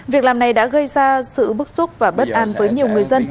việc làm này đã gây ra sự bức xúc và bất an với nhiều người dân